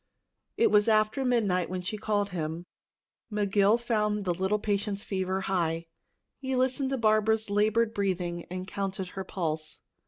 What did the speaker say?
It was after midnight when she called him. McGill found the little patient's fever high. He listened to Barbara's labored breathing and counted her pulse.